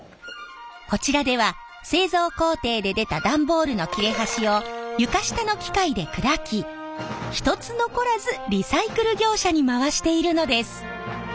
こちらでは製造工程で出た段ボールの切れ端を床下の機械で砕き一つ残らずリサイクル業者に回しているのです。